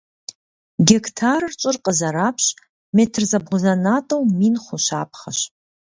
Гектарыр щӏыр къызэрапщ, метр зэбгъузэнатӏэу мин хъу щапхъэщ.